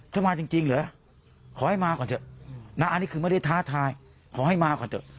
จะมาจริงเหรอขอให้มาก่อนเถอะนะอันนี้คือไม่ได้ท้าทายขอให้มาก่อนเถอะ